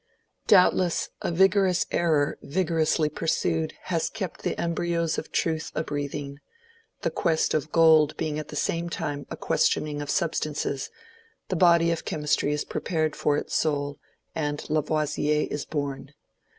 Doubtless a vigorous error vigorously pursued has kept the embryos of truth a breathing: the quest of gold being at the same time a questioning of substances, the body of chemistry is prepared for its soul, and Lavoisier is born.